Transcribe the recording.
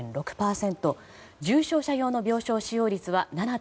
重症者用の病床使用率は７．７％。